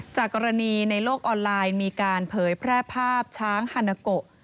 จากกรณีในโลกออนไลน์มีการเผยแพร่ภาพช้างฮานาโก